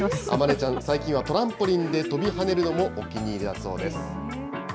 周ちゃん、最近はトランポリンで跳びはねるのもお気に入りだそうです。